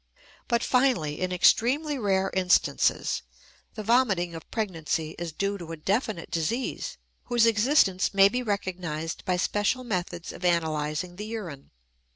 But finally, in extremely rare instances, the vomiting of pregnancy is due to a definite disease whose existence may be recognized by special methods of analyzing the urine.